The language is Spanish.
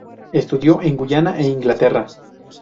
Estudió en Guyana e Inglaterra.